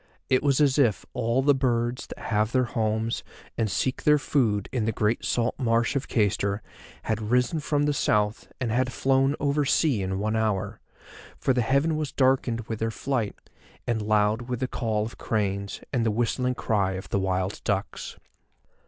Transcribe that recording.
It was as if all the birds that have their homes and seek their food in the great salt marsh of Cayster had risen from the South and had flown over sea in one hour, for the heaven was darkened with their flight, and loud with the call of cranes and the whistling cry of the wild ducks.